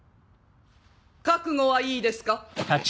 覚悟はいいですか？